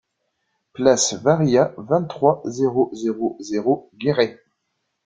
Place Varillas, vingt-trois, zéro zéro zéro Guéret